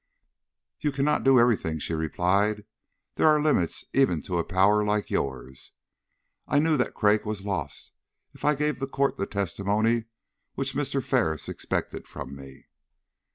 "You cannot do every thing," she replied. "There are limits even to a power like yours. I knew that Craik was lost if I gave to the court the testimony which Mr. Ferris expected from me."